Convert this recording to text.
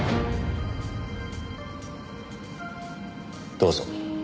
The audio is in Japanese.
どうぞ。